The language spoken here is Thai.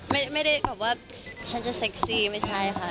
ไม่ได้แบบว่าฉันจะเซ็กซี่ไม่ใช่ค่ะ